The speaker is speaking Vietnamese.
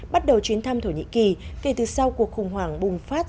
bắt đầu chuyến thăm thổ nhĩ kỳ kể từ sau cuộc khủng hoảng bùng phát